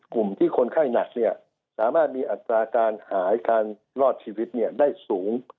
กลุ่มที่คนไข้หนักสามารถมีอัตราการหายการรอดชีวิตได้สูง